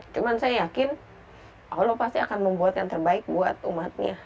cuma saya yakin allah pasti akan membuat yang terbaik buat umatnya